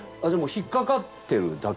引っ掛かってる。